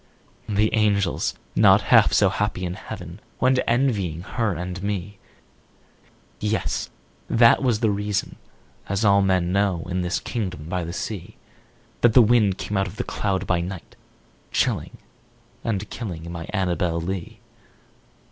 The angels, not half so happy in heaven, Went envying her and me Yes! that was the reason (as all men know, In this kingdom by the sea) That the wind came out of the cloud by night, Chilling and killing my Annabel Lee.